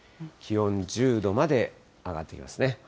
気温１０度まで上がってきますね。